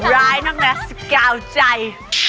ร้ายมากนะ๑๙ใจ